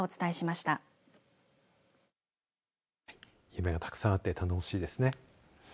夢がたくさんあって楽しいですね。